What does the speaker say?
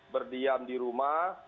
berdiam di rumah